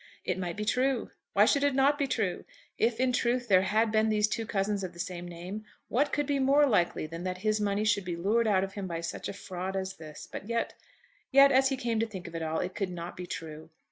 It might be true. Why should it not be true? If in truth there had been these two cousins of the same name, what could be more likely than that his money should be lured out of him by such a fraud as this? But yet, yet, as he came to think of it all, it could not be true.